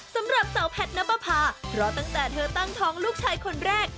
สำหรับสาวแพทย์นับประพาเพราะตั้งแต่เธอตั้งท้องลูกชายคนแรก